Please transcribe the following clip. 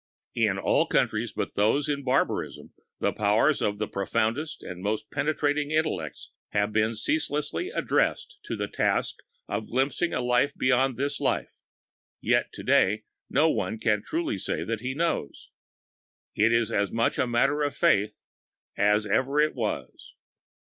In all countries but those in barbarism the powers of the profoundest and most penetrating intelligences have been ceaselessly addressed to the task of glimpsing a life beyond this life; yet today no one can truly say that he knows. It is still as much a matter of faith as ever it was.